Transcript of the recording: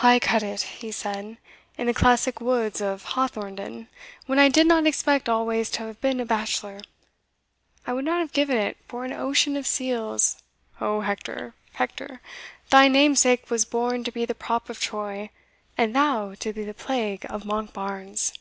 "I cut it," he said, "in the classic woods of Hawthornden, when I did not expect always to have been a bachelor I would not have given it for an ocean of seals O Hector! Hector! thy namesake was born to be the prop of Troy, and thou to be the plague of Monkbarns!"